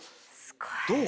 どう？